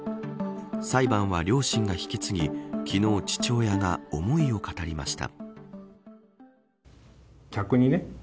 裁判は両親が引き継ぎ昨日、父親が思いを語りました。